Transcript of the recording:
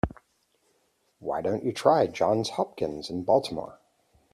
Why don't you try Johns Hopkins in Baltimore?